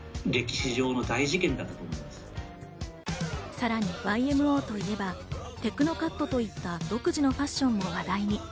さらにＹＭＯといえば、テクノカットといった独自のファッションも話題に。